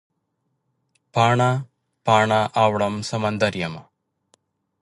پاڼه، پاڼه اوړم سمندریمه